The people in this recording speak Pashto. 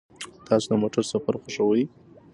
تاسو د موټر سفر خوښوئ؟